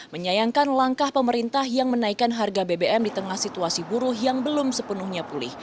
menyayangkan langkah pemerintah yang menaikkan harga bbm di tengah situasi buruh yang belum sepenuhnya pulih